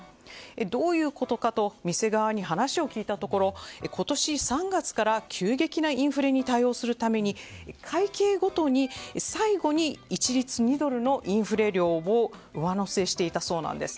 どういうことかと店側に話を聞いたところ今年３月から急激なインフレに対応するために会計ごとに最後に一律２ドルのインフレ料を上乗せしていたそうなんです。